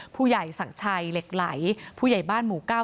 ผู้ใหญ่ศักดิ์ชัยเหล็กไหลผู้ใหญ่บ้านหมู่เก้า